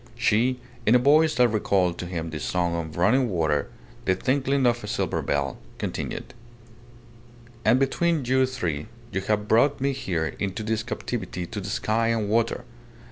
She, in a voice that recalled to him the song of running water, the tinkling of a silver bell, continued "And between you three you have brought me here into this captivity to the sky and water.